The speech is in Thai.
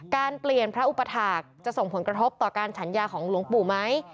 การเปลี่ยนพระอุปถาคจะส่งผลกระทบต่อการฉันยาของหลวงปู่ไหม